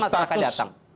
wajar masalah kan datang